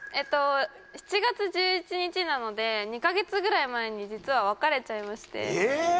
７月１１日なので２カ月ぐらい前に実は別れちゃいましてええ！